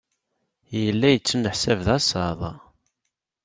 Yella yettuneḥsab d asaḍ.